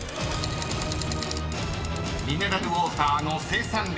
［ミネラルウォーターの生産量